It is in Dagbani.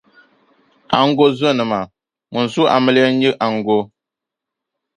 ango zonima. ŋun su amiliya n-nyɛ ango;